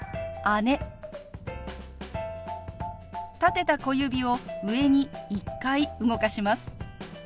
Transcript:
立てた小指を上に１回動かします。